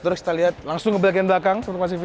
terus kita lihat langsung ke bagian belakang